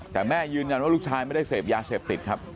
แต่แม่ยืนยันว่าลูกชายไม่ได้เสพยาเสพติดครับ